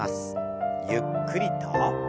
ゆっくりと。